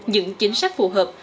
những chính sách phù hợp